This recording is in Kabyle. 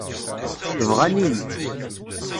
Bɣan-iyi.